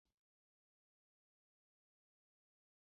د علامه رشاد لیکنی هنر مهم دی ځکه چې افغانستان ادب غني کوي.